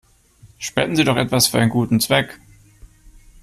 Spenden Sie doch etwas für einen guten Zweck!